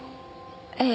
ええ。